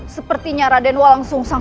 sepertinya raden wala sung sang